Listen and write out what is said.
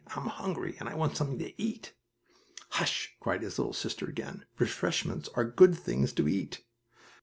"I'm hungry, and I want something to eat!" "Hush!" cried his little sister again. "Refreshments are good things to eat!"